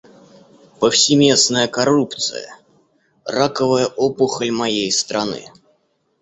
Повсеместная коррупция — раковая опухоль моей страны.